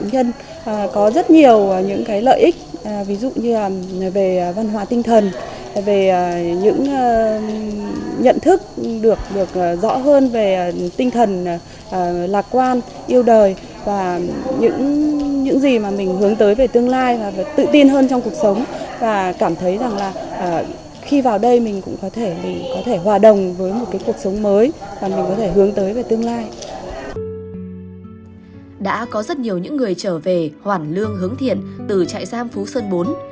đã có rất nhiều những người trở về hoản lương hướng thiện từ trại giam phú sơn bốn